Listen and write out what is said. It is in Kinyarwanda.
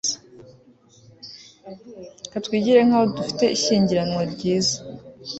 Reka twigire nkaho dufite ishyingiranwa ryiza